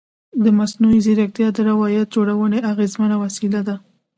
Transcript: مصنوعي ځیرکتیا د روایت جوړونې اغېزمنه وسیله ده.